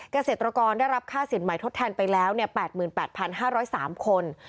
เกษตรกรได้รับค่าสินใหม่ทดแทนไปแล้ว๘๘๕๐๓คน